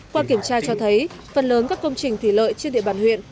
qua kiểm tra cho thấy phần lớn các công trình thủy lợi trên địa bàn huyện